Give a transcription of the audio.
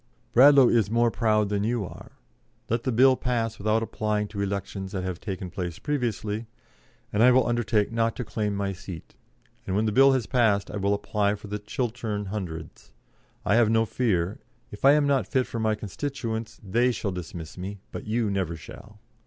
Bradlaugh is more proud than you are. Let the Bill pass without applying to elections that have taken place previously, and I will undertake not to claim my seat, and when the Bill has passed I will apply for the Chiltern Hundreds. I have no fear. If I am not fit for my constituents, they shall dismiss me, but you never shall.